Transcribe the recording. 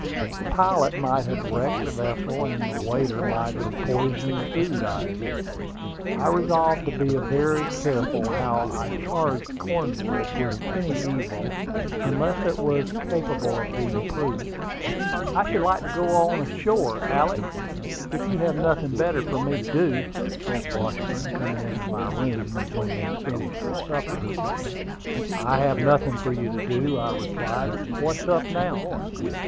The pilot might have wrecked the vessel, and the waiter might have poisoned the food I ate. I resolved to be very careful how I charged Cornwood with any evil, unless it was capable of being proved. "I should like to go on shore, Alick, if you have nothing better for me to do," said Washburn, coming into my room when he had finished his supper. "I have nothing for you to do," I replied. "What's up now?"